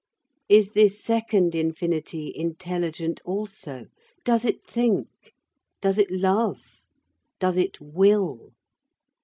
Is this second infinity intelligent also? Does it think? Does it love? Does it will?